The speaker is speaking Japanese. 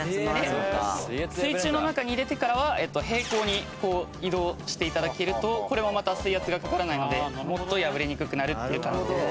水中の中に入れてからは平行に移動して頂けるとこれもまた水圧がかからないのでもっと破れにくくなるっていう感じです。